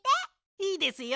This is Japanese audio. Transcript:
いいですよ。